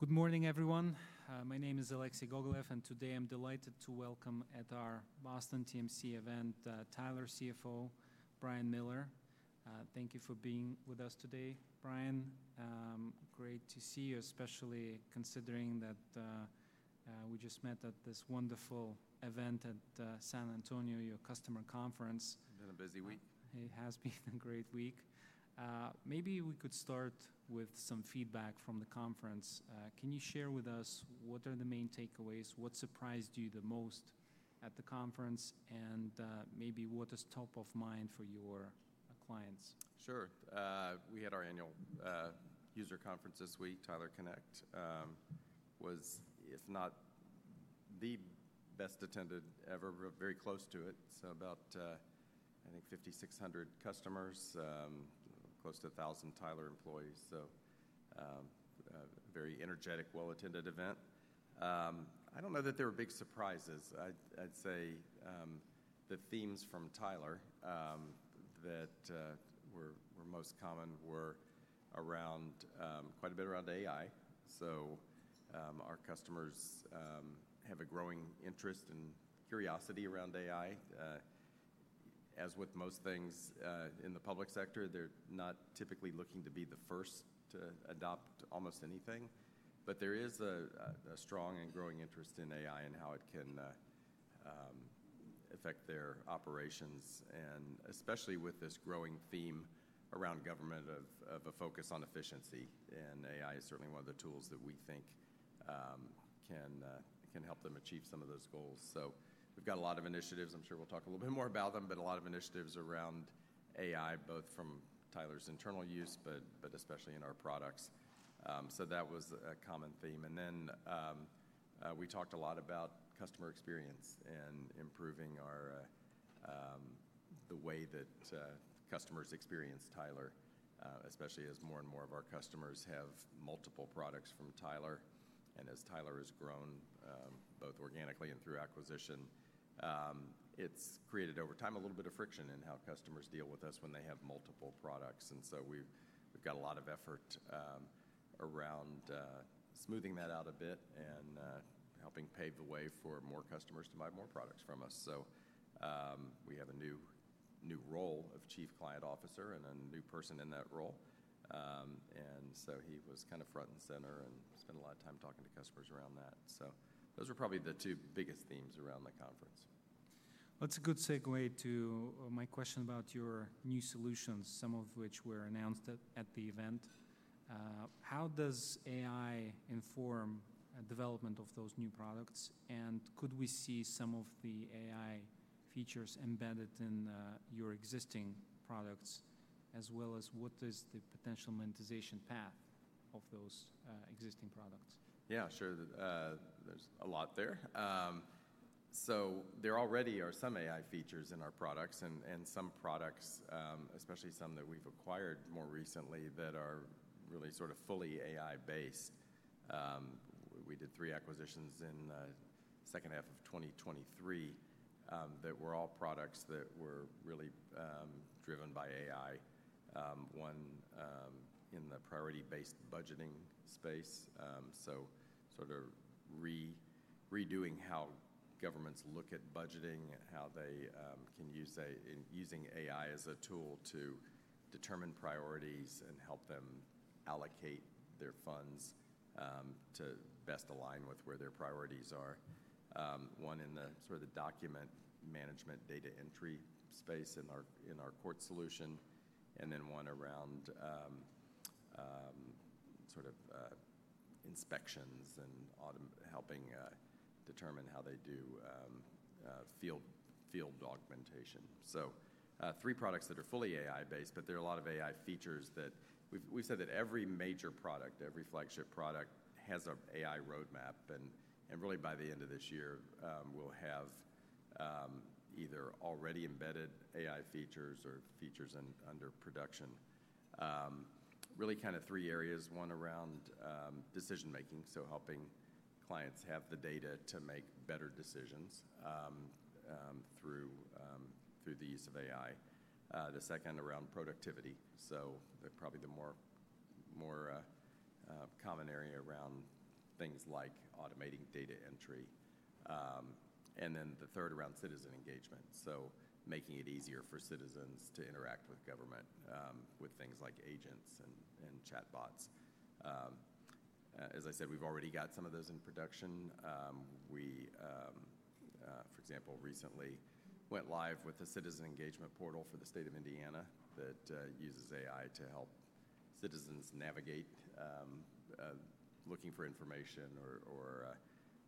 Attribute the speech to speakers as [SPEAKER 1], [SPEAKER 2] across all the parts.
[SPEAKER 1] Good morning, everyone. My name is Alexei Gogolev, and today I'm delighted to welcome at our Boston TMC event, Tyler, CFO, Brian Miller. Thank you for being with us today, Brian. Great to see you, especially considering that we just met at this wonderful event at San Antonio, your customer conference.
[SPEAKER 2] It's been a busy week.
[SPEAKER 1] It has been a great week. Maybe we could start with some feedback from the conference. Can you share with us what are the main takeaways, what surprised you the most at the conference, and maybe what is top of mind for your clients?
[SPEAKER 2] Sure. We had our annual user conference this week, Tyler Connect, was, if not the best attended ever, but very close to it. About, I think, 5,600 customers, close to 1,000 Tyler employees. A very energetic, well-attended event. I do not know that there were big surprises. I would say the themes from Tyler that were most common were quite a bit around AI. Our customers have a growing interest and curiosity around AI. As with most things in the public sector, they are not typically looking to be the first to adopt almost anything. There is a strong and growing interest in AI and how it can affect their operations, especially with this growing theme around government of a focus on efficiency. AI is certainly one of the tools that we think can help them achieve some of those goals. We've got a lot of initiatives. I'm sure we'll talk a little bit more about them, but a lot of initiatives around AI, both from Tyler's internal use, but especially in our products. That was a common theme. We talked a lot about customer experience and improving the way that customers experience Tyler, especially as more and more of our customers have multiple products from Tyler. As Tyler has grown, both organically and through acquisition, it's created, over time, a little bit of friction in how customers deal with us when they have multiple products. We've got a lot of effort around smoothing that out a bit and helping pave the way for more customers to buy more products from us. We have a new role of Chief Client Officer and a new person in that role. He was kind of front and center and spent a lot of time talking to customers around that. Those are probably the two biggest themes around the conference.
[SPEAKER 1] That's a good segue to my question about your new solutions, some of which were announced at the event. How does AI inform the development of those new products? Could we see some of the AI features embedded in your existing products, as well as what is the potential monetization path of those existing products?
[SPEAKER 2] Yeah, sure. There's a lot there. There already are some AI features in our products, and some products, especially some that we've acquired more recently, that are really sort of fully AI-based. We did three acquisitions in the second half of 2023 that were all products that were really driven by AI, one in the priority-based budgeting space. Sort of redoing how governments look at budgeting and how they can use AI as a tool to determine priorities and help them allocate their funds to best align with where their priorities are. One in the sort of document management data entry space in our court solution, and then one around sort of inspections and helping determine how they do field augmentation. Three products that are fully AI-based, but there are a lot of AI features that we've said that every major product, every flagship product has an AI roadmap. Really, by the end of this year, we'll have either already embedded AI features or features under production. Really kind of three areas. One around decision-making, so helping clients have the data to make better decisions through the use of AI. The second around productivity, so probably the more common area around things like automating data entry. Then the third around citizen engagement, so making it easier for citizens to interact with government with things like agents and chatbots. As I said, we've already got some of those in production. We, for example, recently went live with a Citizen Engagement Portal for the state of Indiana that uses AI to help citizens navigate looking for information or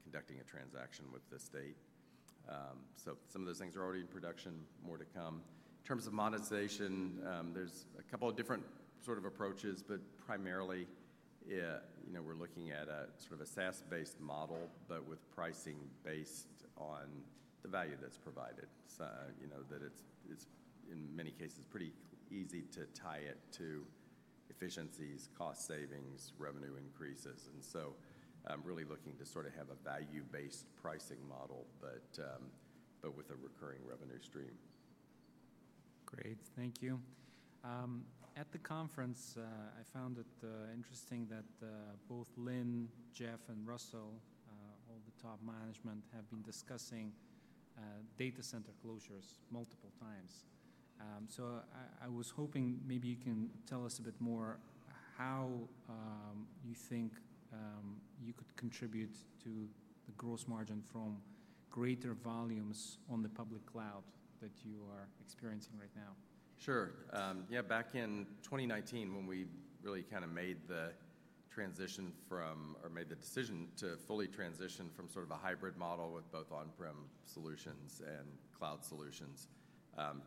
[SPEAKER 2] conducting a transaction with the state. Some of those things are already in production, more to come. In terms of monetization, there's a couple of different sort of approaches, but primarily we're looking at sort of a SaaS-based model, but with pricing based on the value that's provided, that it's, in many cases, pretty easy to tie it to efficiencies, cost savings, revenue increases. I'm really looking to sort of have a value-based pricing model, but with a recurring revenue stream.
[SPEAKER 1] Great. Thank you. At the conference, I found it interesting that both Lynn, Jeff, and Russell, all the top management, have been discussing data center closures multiple times. I was hoping maybe you can tell us a bit more how you think you could contribute to the gross margin from greater volumes on the public cloud that you are experiencing right now.
[SPEAKER 2] Sure. Yeah, back in 2019, when we really kind of made the transition from, or made the decision to fully transition from sort of a hybrid model with both on-prem solutions and cloud solutions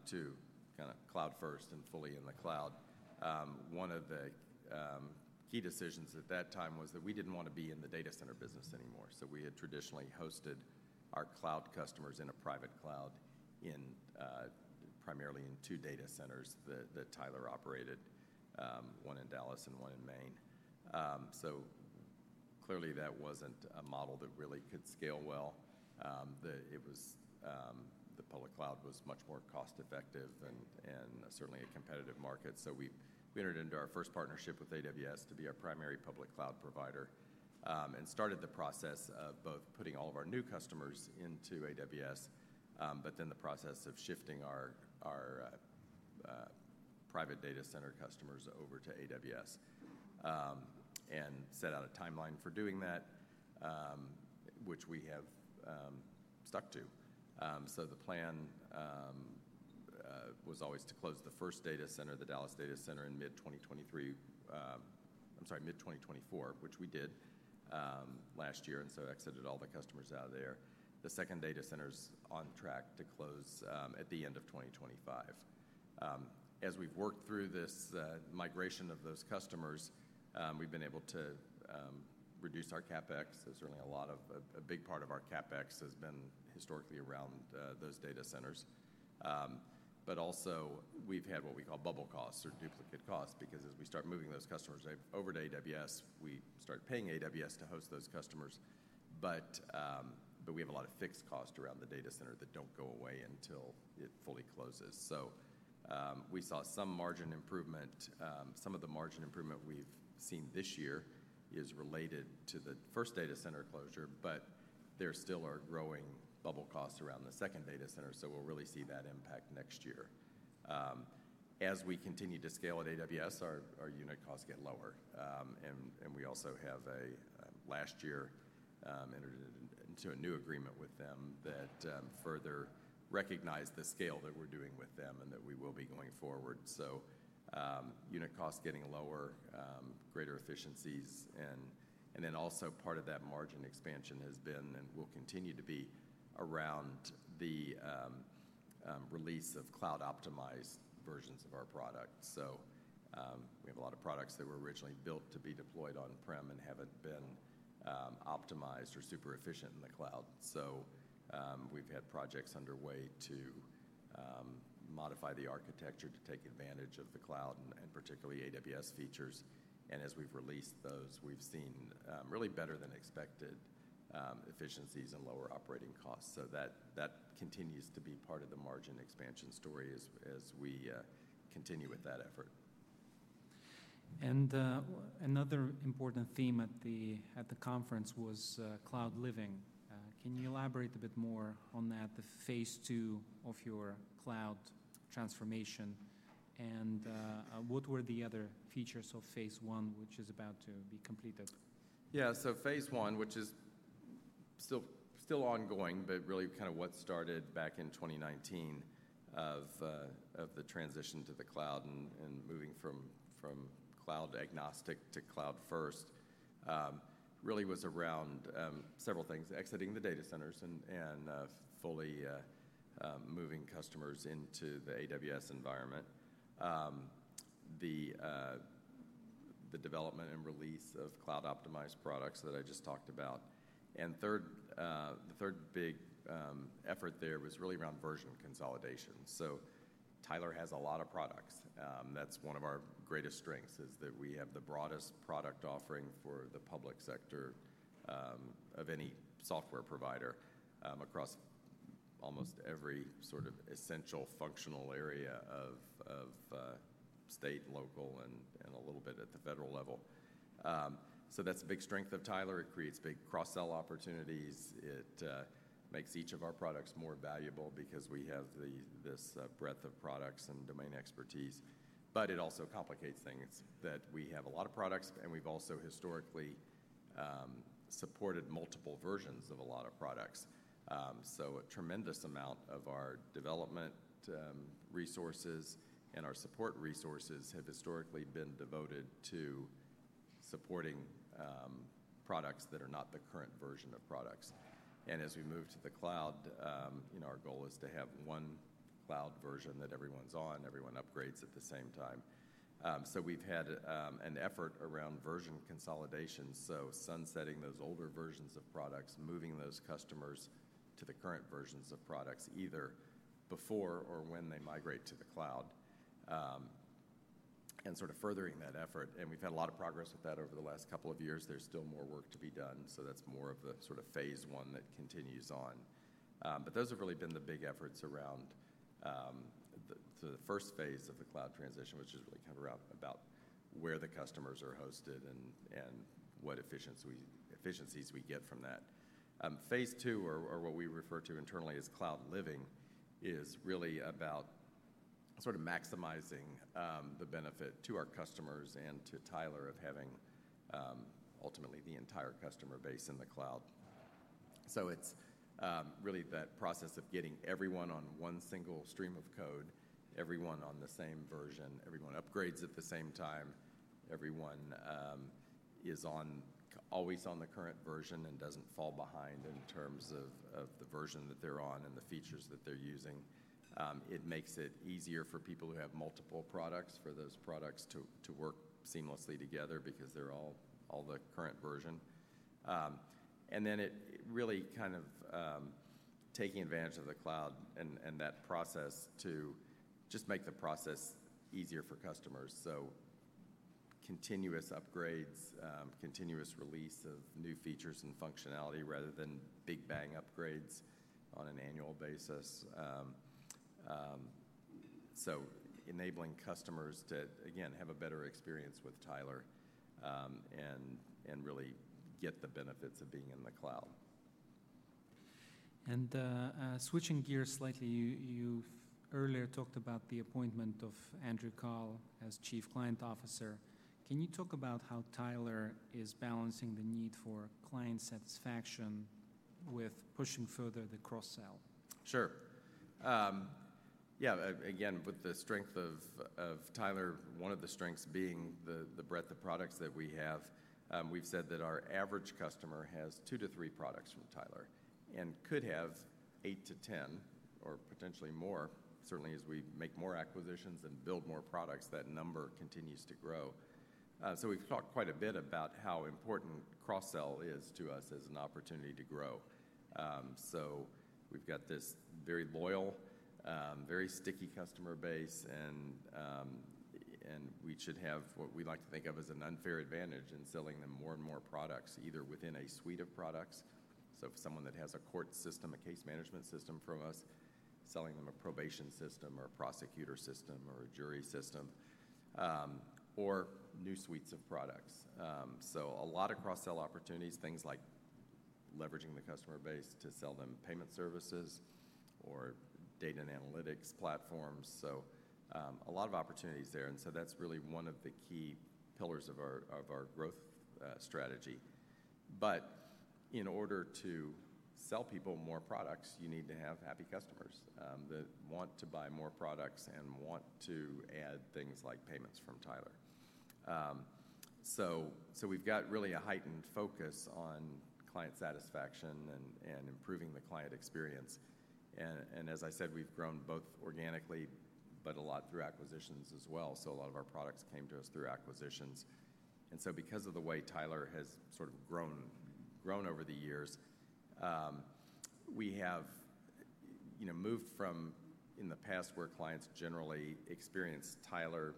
[SPEAKER 2] to kind of cloud-first and fully in the cloud, one of the key decisions at that time was that we did not want to be in the data center business anymore. We had traditionally hosted our cloud customers in a private cloud, primarily in two data centers that Tyler operated, one in Dallas and one in Maine. Clearly, that was not a model that really could scale well. The public cloud was much more cost-effective and certainly a competitive market. We entered into our first partnership with AWS to be our primary public cloud provider and started the process of both putting all of our new customers into AWS, but then the process of shifting our private data center customers over to AWS and set out a timeline for doing that, which we have stuck to. The plan was always to close the first data center, the Dallas data center, in mid-2024, which we did last year and exited all the customers out of there. The second data center is on track to close at the end of 2025. As we've worked through this migration of those customers, we've been able to reduce our CapEx. There's certainly a big part of our CapEx has been historically around those data centers. Also, we've had what we call bubble costs or duplicate costs because as we start moving those customers over to AWS, we start paying AWS to host those customers. We have a lot of fixed costs around the data center that do not go away until it fully closes. We saw some margin improvement. Some of the margin improvement we've seen this year is related to the first data center closure, but there still are growing bubble costs around the second data center. We will really see that impact next year. As we continue to scale at AWS, our unit costs get lower. We also have, last year, entered into a new agreement with them that further recognized the scale that we're doing with them and that we will be going forward. Unit costs getting lower, greater efficiencies, and then also part of that margin expansion has been and will continue to be around the release of cloud-optimized versions of our product. We have a lot of products that were originally built to be deployed on-prem and have not been optimized or super efficient in the cloud. We have had projects underway to modify the architecture to take advantage of the cloud and particularly AWS features. As we have released those, we have seen really better than expected efficiencies and lower operating costs. That continues to be part of the margin expansion story as we continue with that effort.
[SPEAKER 1] Another important theme at the conference was cloud living. Can you elaborate a bit more on that, the phase two of your cloud transformation? What were the other features of phase one, which is about to be completed?
[SPEAKER 2] Yeah, so phase one, which is still ongoing, but really kind of what started back in 2019 of the transition to the cloud and moving from cloud-agnostic to cloud-first really was around several things: exiting the data centers and fully moving customers into the AWS environment, the development and release of cloud-optimized products that I just talked about. The third big effort there was really around version consolidation. Tyler has a lot of products. That's one of our greatest strengths is that we have the broadest product offering for the public sector of any software provider across almost every sort of essential functional area of state, local, and a little bit at the federal level. That's a big strength of Tyler. It creates big cross-sell opportunities. It makes each of our products more valuable because we have this breadth of products and domain expertise. It also complicates things that we have a lot of products, and we've also historically supported multiple versions of a lot of products. A tremendous amount of our development resources and our support resources have historically been devoted to supporting products that are not the current version of products. As we move to the cloud, our goal is to have one cloud version that everyone's on, everyone upgrades at the same time. We've had an effort around version consolidation, sunsetting those older versions of products, moving those customers to the current versions of products either before or when they migrate to the cloud, and sort of furthering that effort. We've had a lot of progress with that over the last couple of years. There's still more work to be done. That's more of the sort of phase one that continues on. Those have really been the big efforts around the first phase of the cloud transition, which is really kind of about where the customers are hosted and what efficiencies we get from that. Phase two, or what we refer to internally as cloud living, is really about sort of maximizing the benefit to our customers and to Tyler of having ultimately the entire customer base in the cloud. It is really that process of getting everyone on one single stream of code, everyone on the same version, everyone upgrades at the same time, everyone is always on the current version and does not fall behind in terms of the version that they are on and the features that they are using. It makes it easier for people who have multiple products for those products to work seamlessly together because they are all the current version. It really kind of taking advantage of the cloud and that process to just make the process easier for customers. Continuous upgrades, continuous release of new features and functionality rather than big bang upgrades on an annual basis. Enabling customers to, again, have a better experience with Tyler and really get the benefits of being in the cloud.
[SPEAKER 1] Switching gears slightly, you've earlier talked about the appointment of Andrew Cole as Chief Client Officer. Can you talk about how Tyler is balancing the need for client satisfaction with pushing further the cross-sell?
[SPEAKER 2] Sure. Yeah, again, with the strength of Tyler, one of the strengths being the breadth of products that we have, we've said that our average customer has two to three products from Tyler and could have eight to ten or potentially more. Certainly, as we make more acquisitions and build more products, that number continues to grow. We have talked quite a bit about how important cross-sell is to us as an opportunity to grow. We have got this very loyal, very sticky customer base, and we should have what we like to think of as an unfair advantage in selling them more and more products, either within a suite of products. If someone has a court system, a case management system from us, selling them a probation system or a prosecutor system or a jury system or new suites of products. A lot of cross-sell opportunities, things like leveraging the customer base to sell them payment services or data and analytics platforms. A lot of opportunities there. That is really one of the key pillars of our growth strategy. In order to sell people more products, you need to have happy customers that want to buy more products and want to add things like payments from Tyler. We have really a heightened focus on client satisfaction and improving the client experience. As I said, we have grown both organically, but a lot through acquisitions as well. A lot of our products came to us through acquisitions. Because of the way Tyler has sort of grown over the years, we have moved from, in the past, where clients generally experienced Tyler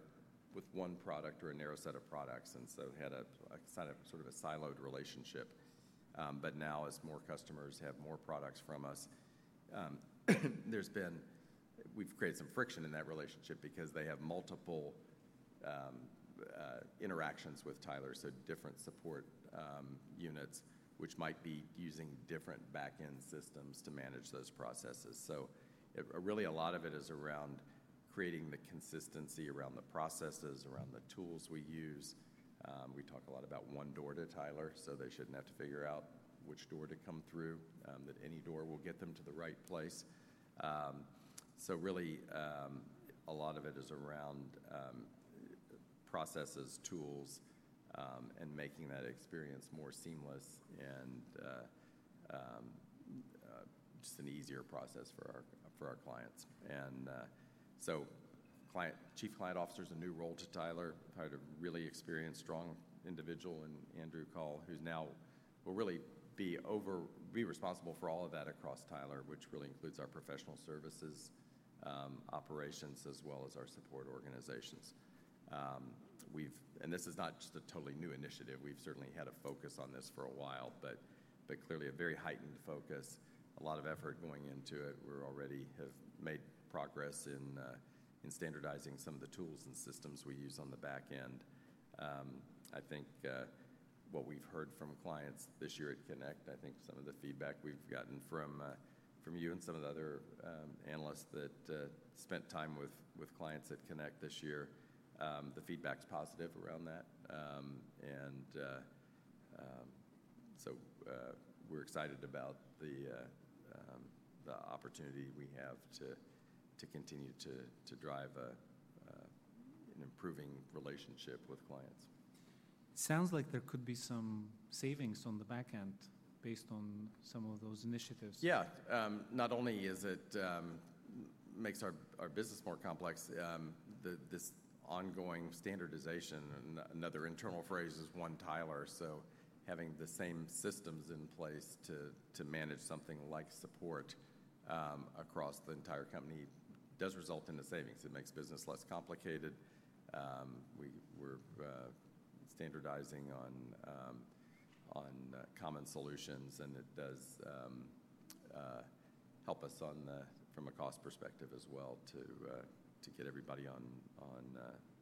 [SPEAKER 2] with one product or a narrow set of products and had sort of a siloed relationship. Now, as more customers have more products from us, we've created some friction in that relationship because they have multiple interactions with Tyler, different support units, which might be using different back-end systems to manage those processes. Really, a lot of it is around creating the consistency around the processes, around the tools we use. We talk a lot about one door to Tyler so they shouldn't have to figure out which door to come through, that any door will get them to the right place. Really, a lot of it is around processes, tools, and making that experience more seamless and just an easier process for our clients. Chief Client Officer is a new role to Tyler. Tyler really experienced strong individual and Andrew Coll, who's now will really be responsible for all of that across Tyler, which really includes our professional services operations as well as our support organizations. This is not just a totally new initiative. We've certainly had a focus on this for a while, but clearly a very heightened focus, a lot of effort going into it. We already have made progress in standardizing some of the tools and systems we use on the back end. I think what we've heard from clients this year at Connect, I think some of the feedback we've gotten from you and some of the other analysts that spent time with clients at Connect this year, the feedback's positive around that. We are excited about the opportunity we have to continue to drive an improving relationship with clients.
[SPEAKER 1] It sounds like there could be some savings on the back end based on some of those initiatives.
[SPEAKER 2] Yeah. Not only does it make our business more complex, this ongoing standardization, another internal phrase is one Tyler. Having the same systems in place to manage something like support across the entire company does result in the savings. It makes business less complicated. We're standardizing on common solutions, and it does help us from a cost perspective as well to get everybody on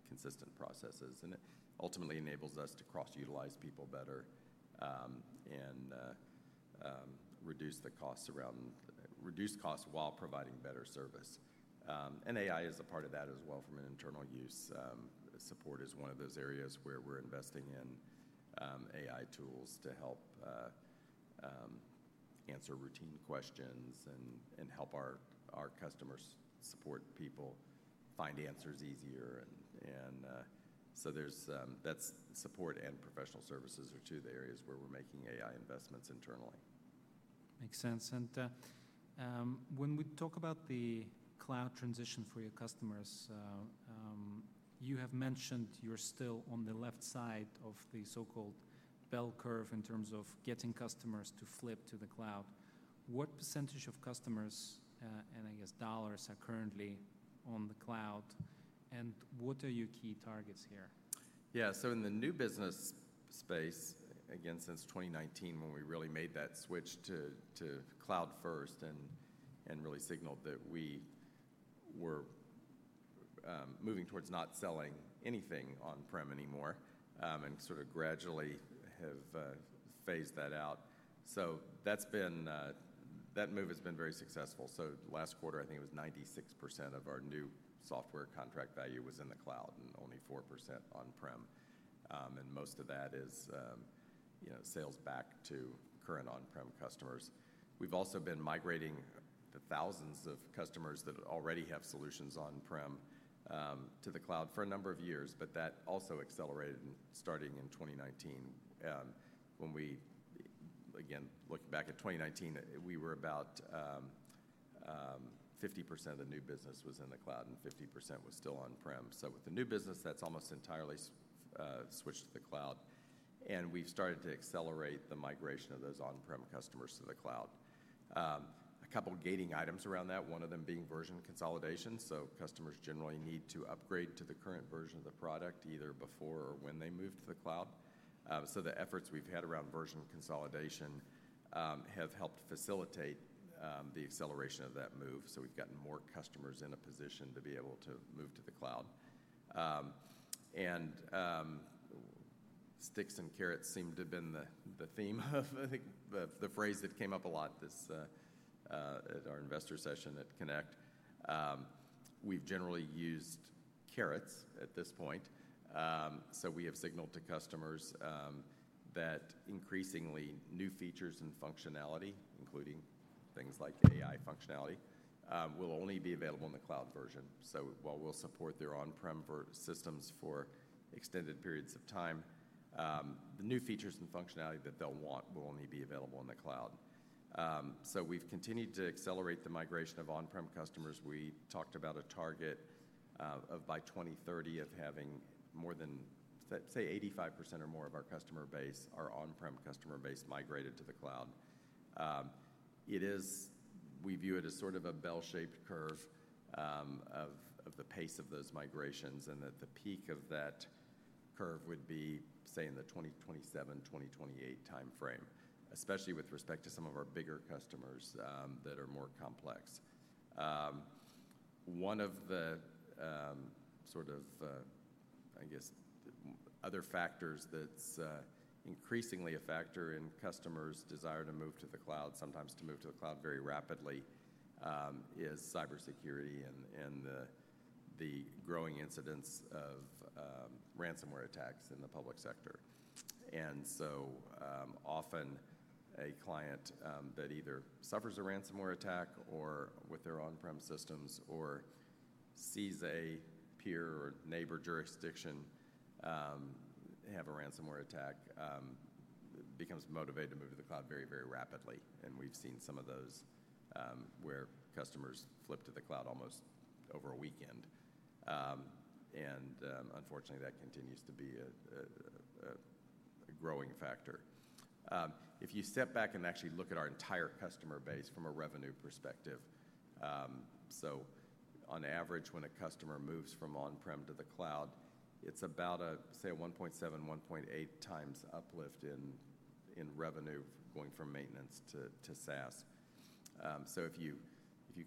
[SPEAKER 2] consistent processes. It ultimately enables us to cross-utilize people better and reduce costs while providing better service. AI is a part of that as well from an internal use. Support is one of those areas where we're investing in AI tools to help answer routine questions and help our customer support people find answers easier. Support and professional services are two of the areas where we're making AI investments internally.
[SPEAKER 1] Makes sense. When we talk about the cloud transition for your customers, you have mentioned you're still on the left side of the so-called bell curve in terms of getting customers to flip to the cloud. What percentage of customers and, I guess, dollars are currently on the cloud? What are your key targets here?
[SPEAKER 2] Yeah. So in the new business space, again, since 2019, when we really made that switch to cloud-first and really signaled that we were moving towards not selling anything on-prem anymore and sort of gradually have phased that out. That move has been very successful. Last quarter, I think it was 96% of our new software contract value was in the cloud and only 4% on-prem. Most of that is sales back to current on-prem customers. We've also been migrating the thousands of customers that already have solutions on-prem to the cloud for a number of years, but that also accelerated starting in 2019. When we, again, look back at 2019, we were about 50% of the new business was in the cloud and 50% was still on-prem. With the new business, that's almost entirely switched to the cloud. We have started to accelerate the migration of those on-prem customers to the cloud. A couple of gating items around that, one of them being version consolidation. Customers generally need to upgrade to the current version of the product either before or when they move to the cloud. The efforts we have had around version consolidation have helped facilitate the acceleration of that move. We have gotten more customers in a position to be able to move to the cloud. Sticks and carrots seem to have been the theme of the phrase that came up a lot at our investor session at Connect. We have generally used carrots at this point. We have signaled to customers that increasingly new features and functionality, including things like AI functionality, will only be available in the cloud version. While we'll support their on-prem systems for extended periods of time, the new features and functionality that they'll want will only be available in the cloud. We've continued to accelerate the migration of on-prem customers. We talked about a target of by 2030 of having 85% or more of our customer base, our on-prem customer base, migrated to the cloud. We view it as sort of a bell-shaped curve of the pace of those migrations and that the peak of that curve would be in the 2027-2028 timeframe, especially with respect to some of our bigger customers that are more complex. One of the other factors that's increasingly a factor in customers' desire to move to the cloud, sometimes to move to the cloud very rapidly, is cybersecurity and the growing incidence of ransomware attacks in the public sector. Often a client that either suffers a ransomware attack with their on-prem systems or sees a peer or neighbor jurisdiction have a ransomware attack becomes motivated to move to the cloud very, very rapidly. We've seen some of those where customers flip to the cloud almost over a weekend. Unfortunately, that continues to be a growing factor. If you step back and actually look at our entire customer base from a revenue perspective, on average, when a customer moves from on-prem to the cloud, it's about a, say, a 1.7-1.8 times uplift in revenue going from maintenance to SaaS. If you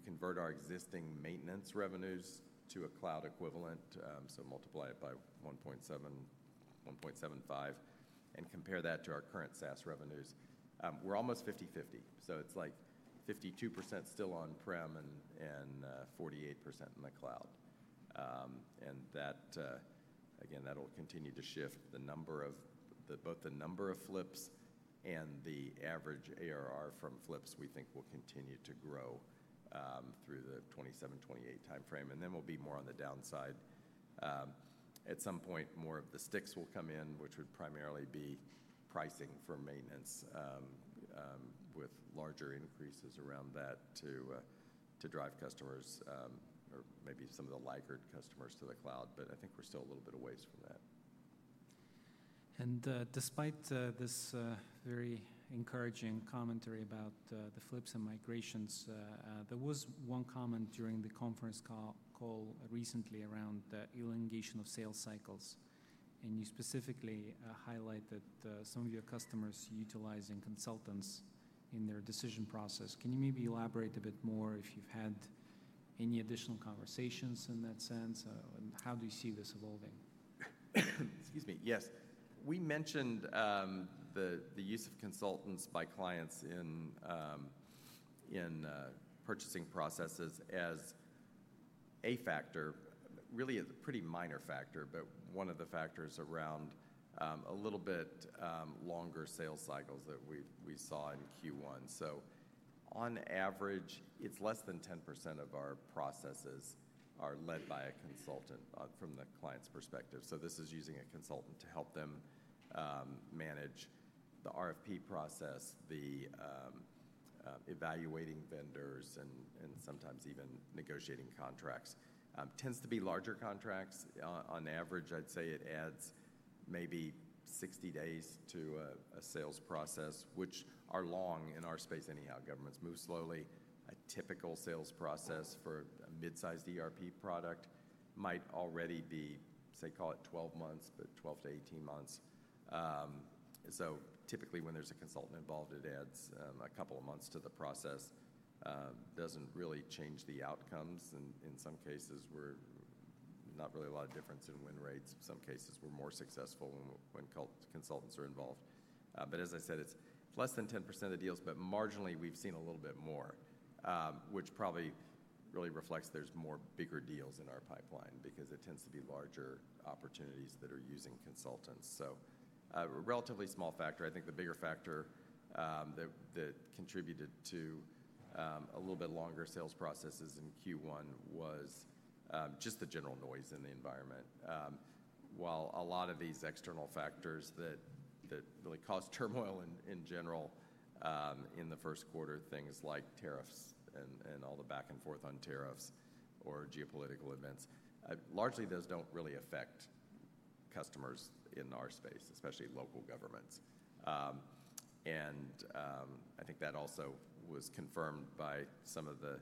[SPEAKER 2] convert our existing maintenance revenues to a cloud equivalent, so multiply it by 1.7-1.75, and compare that to our current SaaS revenues, we're almost 50/50. It's like 52% still on-prem and 48% in the cloud. That'll continue to shift both the number of flips and the average ARR from flips. We think will continue to grow through the 2027, 2028 timeframe. We'll be more on the downside at some point. More of the sticks will come in, which would primarily be pricing for maintenance with larger increases around that to drive customers or maybe some of the laggard customers to the cloud. I think we're still a little bit away from that.
[SPEAKER 1] Despite this very encouraging commentary about the flips and migrations, there was one comment during the conference call recently around the elongation of sales cycles. You specifically highlighted some of your customers utilizing consultants in their decision process. Can you maybe elaborate a bit more if you've had any additional conversations in that sense? How do you see this evolving?
[SPEAKER 2] Excuse me. Yes. We mentioned the use of consultants by clients in purchasing processes as a factor, really a pretty minor factor, but one of the factors around a little bit longer sales cycles that we saw in Q1. On average, it's less than 10% of our processes are led by a consultant from the client's perspective. This is using a consultant to help them manage the RFP process, the evaluating vendors, and sometimes even negotiating contracts. Tends to be larger contracts. On average, I'd say it adds maybe 60 days to a sales process, which are long in our space anyhow. Governments move slowly. A typical sales process for a mid-sized ERP product might already be, say, call it 12 months, but 12-18 months. Typically, when there's a consultant involved, it adds a couple of months to the process. It doesn't really change the outcomes. In some cases, we're not really a lot of difference in win rates. In some cases, we're more successful when consultants are involved. As I said, it's less than 10% of deals, but marginally we've seen a little bit more, which probably really reflects there's more bigger deals in our pipeline because it tends to be larger opportunities that are using consultants. A relatively small factor. I think the bigger factor that contributed to a little bit longer sales processes in Q1 was just the general noise in the environment. While a lot of these external factors that really cause turmoil in general in the first quarter, things like tariffs and all the back and forth on tariffs or geopolitical events, largely those don't really affect customers in our space, especially local governments. I think that also was confirmed by some of the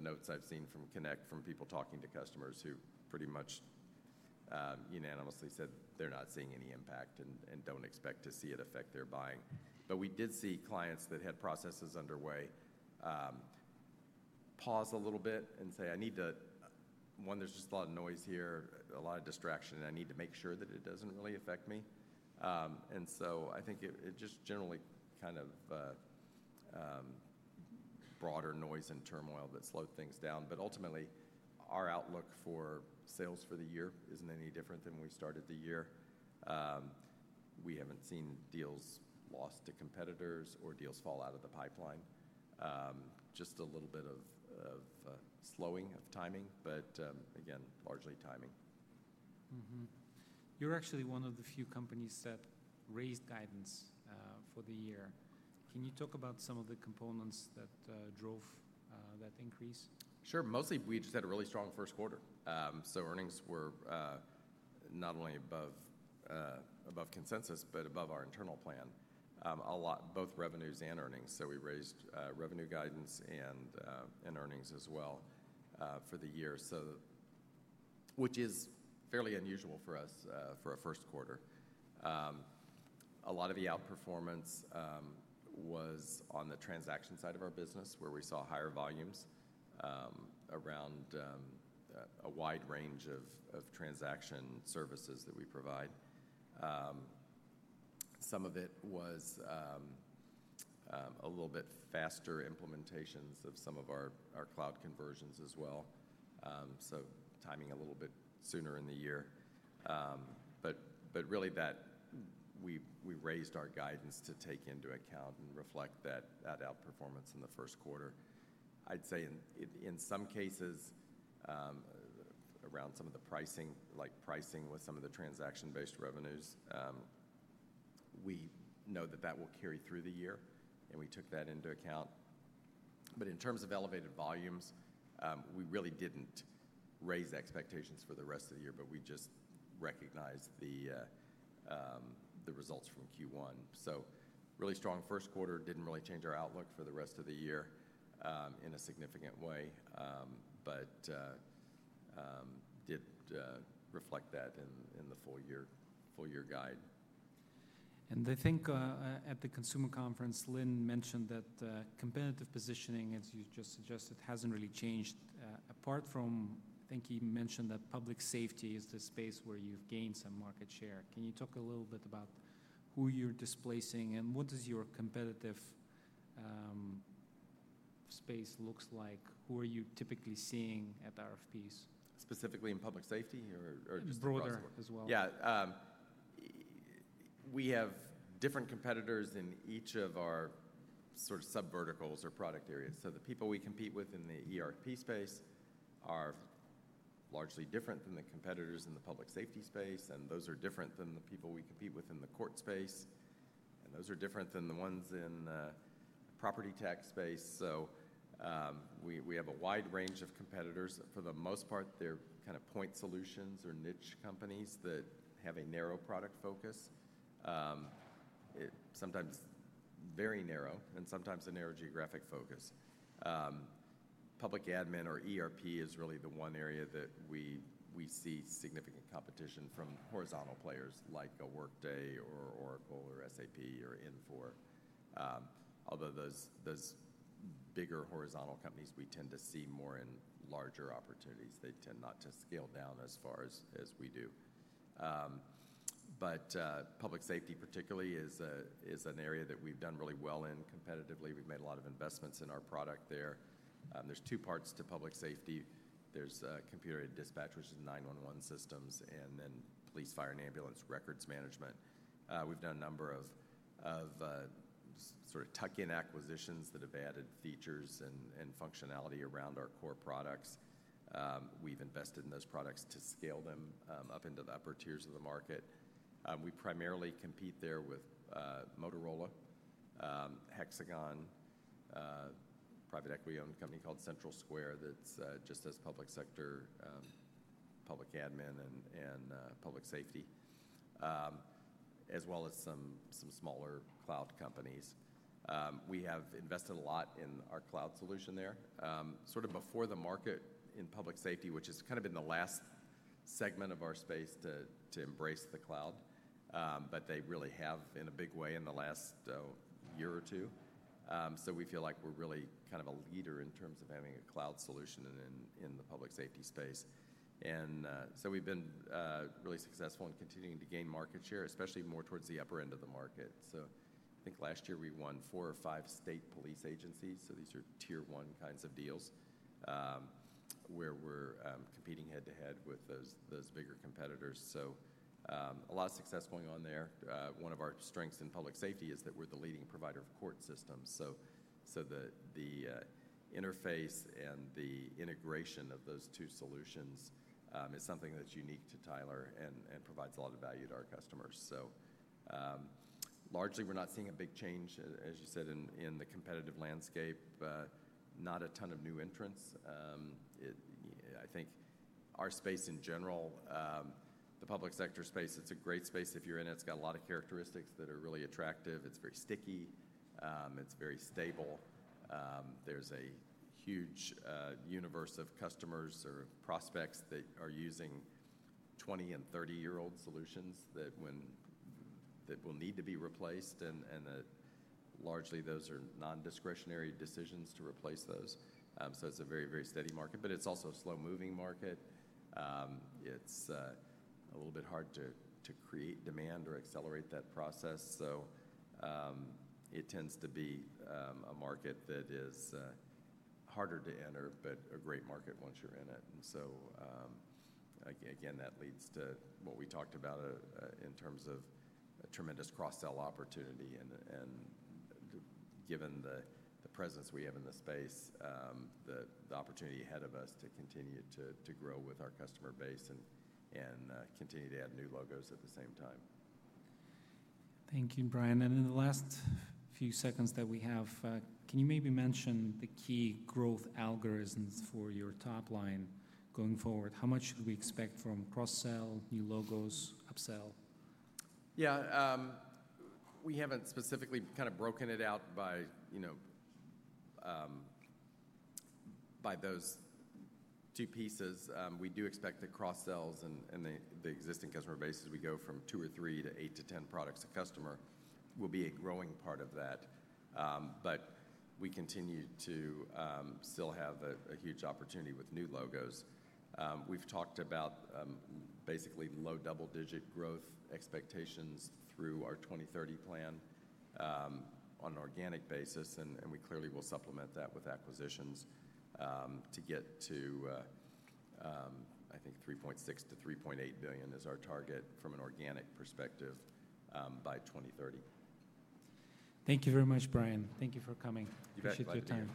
[SPEAKER 2] notes I've seen from Connect from people talking to customers who pretty much unanimously said they're not seeing any impact and don't expect to see it affect their buying. We did see clients that had processes underway pause a little bit and say, "I need to, one, there's just a lot of noise here, a lot of distraction, and I need to make sure that it doesn't really affect me." I think it just generally kind of brought noise and turmoil that slowed things down. Ultimately, our outlook for sales for the year isn't any different than we started the year. We haven't seen deals lost to competitors or deals fall out of the pipeline. Just a little bit of slowing of timing, but again, largely timing.
[SPEAKER 1] You're actually one of the few companies that raised guidance for the year. Can you talk about some of the components that drove that increase?
[SPEAKER 2] Sure. Mostly we just had a really strong first quarter. Earnings were not only above consensus, but above our internal plan a lot, both revenues and earnings. We raised revenue guidance and earnings as well for the year, which is fairly unusual for us for a first quarter. A lot of the outperformance was on the transaction side of our business where we saw higher volumes around a wide range of transaction services that we provide. Some of it was a little bit faster implementations of some of our cloud conversions as well. Timing a little bit sooner in the year. We raised our guidance to take into account and reflect that outperformance in the first quarter. I'd say in some cases around some of the pricing, like pricing with some of the transaction-based revenues, we know that that will carry through the year, and we took that into account. In terms of elevated volumes, we really didn't raise expectations for the rest of the year, but we just recognized the results from Q1. Really strong first quarter didn't really change our outlook for the rest of the year in a significant way, but did reflect that in the full year guide.
[SPEAKER 1] I think at the consumer conference, Lynn mentioned that competitive positioning, as you just suggested, hasn't really changed. Apart from, I think he mentioned that public safety is the space where you've gained some market share. Can you talk a little bit about who you're displacing and what does your competitive space look like? Who are you typically seeing at RFPs?
[SPEAKER 2] Specifically in public safety or just across the board?
[SPEAKER 1] Broader as well.
[SPEAKER 2] Yeah. We have different competitors in each of our sort of sub-verticals or product areas. So the people we compete with in the ERP space are largely different than the competitors in the public safety space, and those are different than the people we compete with in the court space, and those are different than the ones in the property tax space. We have a wide range of competitors. For the most part, they're kind of point solutions or niche companies that have a narrow product focus, sometimes very narrow, and sometimes a narrow geographic focus. Public admin or ERP is really the one area that we see significant competition from horizontal players like a Workday or Oracle or SAP or Infor. Although those bigger horizontal companies, we tend to see more in larger opportunities. They tend not to scale down as far as we do. Public safety, particularly, is an area that we've done really well in competitively. We've made a lot of investments in our product there. There's two parts to public safety. There's computer-aided dispatch, which is 911 systems, and then police, fire, and ambulance records management. We've done a number of sort of tuck-in acquisitions that have added features and functionality around our core products. We've invested in those products to scale them up into the upper tiers of the market. We primarily compete there with Motorola, Hexagon, a private equity-owned company called CentralSquare that's just as public sector, public admin, and public safety, as well as some smaller cloud companies. We have invested a lot in our cloud solution there. Sort of before the market in public safety, which has kind of been the last segment of our space to embrace the cloud, but they really have in a big way in the last year or two. We feel like we're really kind of a leader in terms of having a cloud solution in the public safety space. We have been really successful in continuing to gain market share, especially more towards the upper end of the market. I think last year we won four or five state police agencies. These are tier one kinds of deals where we're competing head-to-head with those bigger competitors. A lot of success going on there. One of our strengths in public safety is that we're the leading provider of court systems. The interface and the integration of those two solutions is something that's unique to Tyler and provides a lot of value to our customers. Largely, we're not seeing a big change, as you said, in the competitive landscape. Not a ton of new entrants. I think our space in general, the public sector space, it's a great space if you're in it. It's got a lot of characteristics that are really attractive. It's very sticky. It's very stable. There's a huge universe of customers or prospects that are using 20- and 30-year-old solutions that will need to be replaced, and largely those are non-discretionary decisions to replace those. It's a very, very steady market, but it's also a slow-moving market. It's a little bit hard to create demand or accelerate that process. It tends to be a market that is harder to enter, but a great market once you're in it. That leads to what we talked about in terms of a tremendous cross-sell opportunity. Given the presence we have in the space, the opportunity ahead of us to continue to grow with our customer base and continue to add new logos at the same time.
[SPEAKER 1] Thank you, Brian. In the last few seconds that we have, can you maybe mention the key growth algorithms for your top line going forward? How much should we expect from cross-sell, new logos, upsell?
[SPEAKER 2] Yeah. We haven't specifically kind of broken it out by those two pieces. We do expect the cross-sells and the existing customer base. As we go from two or three to eight to ten products a customer will be a growing part of that. We continue to still have a huge opportunity with new logos. We've talked about basically low double-digit growth expectations through our 2030 plan on an organic basis, and we clearly will supplement that with acquisitions to get to, I think, $3.6 billion-$3.8 billion is our target from an organic perspective by 2030.
[SPEAKER 1] Thank you very much, Brian. Thank you for coming.
[SPEAKER 2] You bet.
[SPEAKER 1] Appreciate your time.